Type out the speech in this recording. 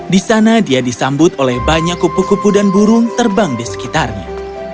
di sana dia disambut oleh banyak kupu kupu dan burung terbang di sekitarnya